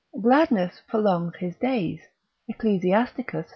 Gladness prolongs his days, Ecclus.